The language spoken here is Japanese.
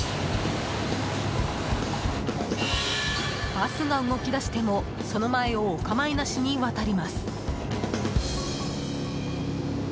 バスが動き出してもその前を、お構いなしに渡ります。